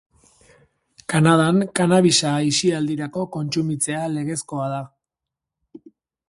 Kanadan kannabisa aisialdirako kontsumitzea legezkoa da.